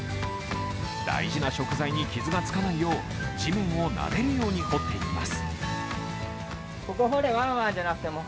大事な食材に傷がつかないよう地面をなでるように掘っていきます。